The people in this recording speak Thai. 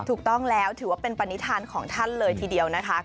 ถูกต้องแล้วถือว่าเป็นปณิธานของท่านเลยทีเดียวนะคะ